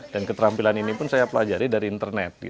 dan keterampilan ini pun saya pelajari dari internet